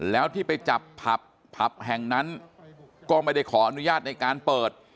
แล้วที่ไปจับผับผับแห่งนั้นก็ไม่ได้ขออนุญาตในการเปิด